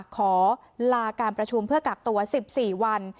ขอลาการประชุมเพื่อกักตัว๑๔วัน